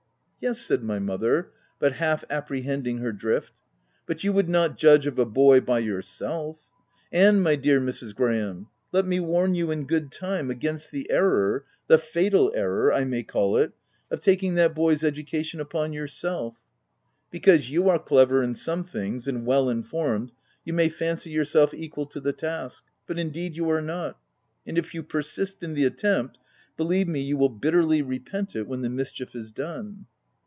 '' "Yes," said my mother, but half appre hending her drift ;" but you would not judge of a boy by yourself— and my dear Mrs. Gra ham, let me warn you in good time against the error— the fatal error, I may call it — of taking OF W1LDFELL MALL. 53 that boy's education upon yourself. — Because you are clever, in some things, and well in formed, you may fancy yourself equal to the task ; but indeed you are not ; and, if you per sist in the attempt, believe me, you will bit terly repent it when the mischief is done."